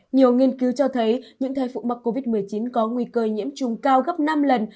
nhiều nghiên cứu cho thấy những thai phụ mắc covid một mươi chín có nguy cơ nhiễm trùng cao gấp năm lần